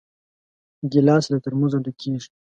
ګیلاس له ترموزه ډک کېږي.